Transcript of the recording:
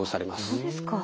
そうですか。